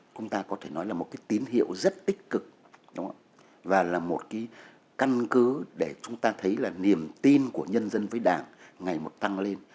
chúng ta có thể nói là một cái tín hiệu rất tích cực đúng và là một cái căn cứ để chúng ta thấy là niềm tin của nhân dân với đảng ngày một tăng lên